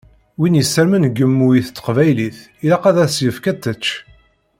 Win yessarmen gemmu i teqbaylit ilaq ad as-yefk ad tečč.